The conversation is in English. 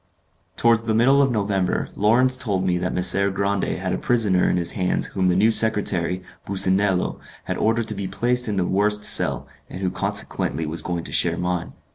Towards the middle of November, Lawrence told me that Messer Grande had a prisoner in his hands whom the new secretary, Businello, had ordered to be placed in the worst cell, and who consequently was going to share mine.